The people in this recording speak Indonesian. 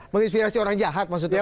menginspirasi orang jahat maksudnya